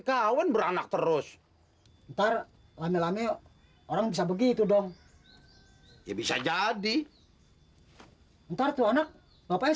kawin beranak terus ntar lami lami orang bisa begitu dong bisa jadi ntar tuh anak bapaknya